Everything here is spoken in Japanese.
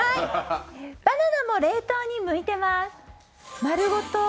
バナナも冷凍に向いてます。